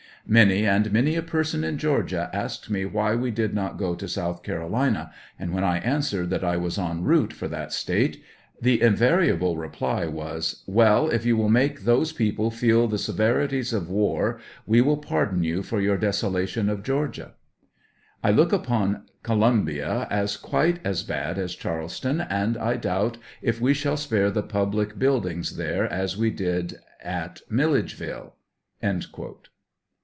Manj' and many a person in Georgia asked me why we did hot go to South Carolina, and when I answered that I was en route for that State, the inva 91 riable reply was, ' Well, if you will make those people feel the severities of war, we will pardon you for your desolation of G eorgia,' " I look upon Columbia as quite as bad as Charles ton, and I doubt if we shall spare the public buildings there, as we did at Milledgeville."